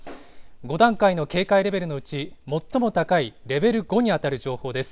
５段階の警戒レベルのうち、最も高いレベル５に当たる情報です。